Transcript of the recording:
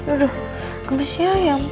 aduh gemes ya